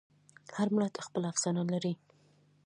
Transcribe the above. هر ملت خپله افسانه لري.